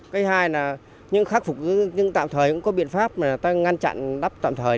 cái hai là những khắc phục nhưng tạm thời cũng có biện pháp mà ta ngăn chặn đắp tạm thời